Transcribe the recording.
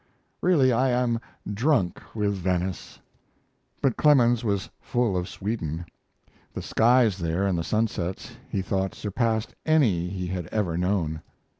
Really I am drunk with Venice. But Clemens was full of Sweden. The skies there and the sunsets be thought surpassed any he had ever known.